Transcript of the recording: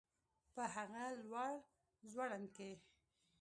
په هغه لوړ ځوړند کي